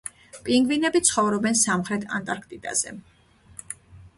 პინგვინები ცხოვრობენ სამხრეთ ანტარქტიდაზე